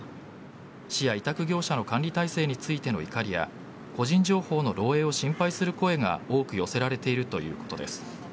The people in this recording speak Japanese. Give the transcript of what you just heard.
市や委託業者の管理体制についての怒りや個人情報の漏えいを心配する声が多く寄せられているということです。